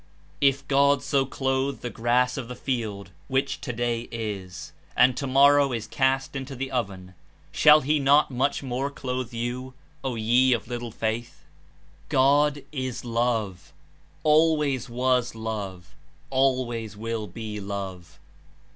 "If God so clothe the grass of the field, which today is, and tomorrow is cast into the oven, shall he not much more clothe you, O ye of little faith." God Is Love, always was Love, always will be Love.